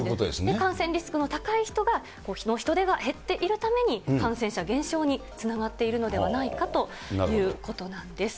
感染リスクの高い人が人出が減っているために、感染者減少につながっているのではないかということなんです。